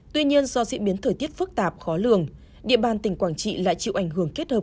tuy nhiên do diễn biến thời tiết phức tạp khó lường địa bàn tỉnh quảng trị lại chịu ảnh hưởng kết hợp